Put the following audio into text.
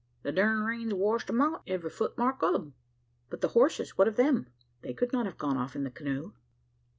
The durned rain's washed 'em out every footmark o' 'em." "But the horses? what of them? They could not have gone off in the canoe?"